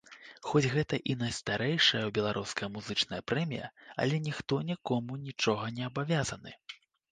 Хоць гэта і найстарэйшая беларуская музычная прэмія, але ніхто нікому нічога не абавязаны.